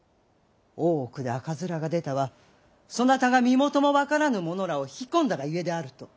大奥で赤面が出たはそなたが身元も分からぬ者らを引き込んだがゆえであると！